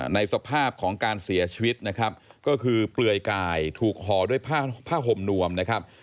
ในสภาพของการเสียชีวิตนะครับก็คือเปลือยกายถูกห่อด้วยผ้าห่มนวมนะครับ